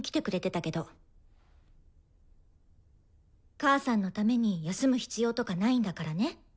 母さんのために休む必要とかないんだからね。